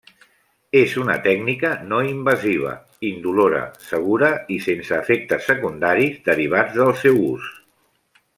És una tècnica no invasiva, indolora, segura i sense efectes secundaris derivats del seu ús.